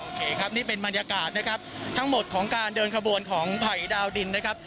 ครับนี่เป็นบรรยากาศนะครับทั้งหมดของการเดินขบวนของไผ่ดาวดินนะครับ